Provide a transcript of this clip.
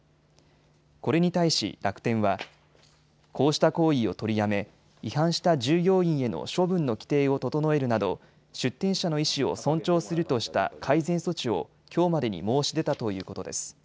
これに対し楽天はこうした行為を取りやめ違反した従業員への処分の規程を整えるなど出店者の意思を尊重するとした改善措置をきょうまでに申し出たということです。